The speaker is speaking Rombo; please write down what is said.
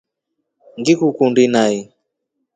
Ngikukundi nai.